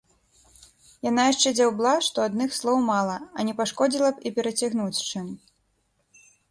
Яна яшчэ дзяўбла, што адных слоў мала, а не пашкодзіла б і перацягнуць чым.